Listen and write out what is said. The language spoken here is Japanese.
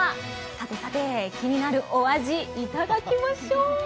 さてさて、気になるお味、いただきましょう。